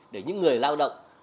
để những người lao động